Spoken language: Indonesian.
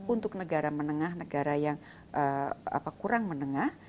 untuk negara menengah negara yang kurang menengah